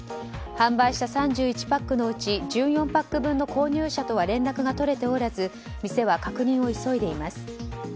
販売した３１パックのうち１４パック分の購入者とは連絡が取れておらず店は確認を急いでいます。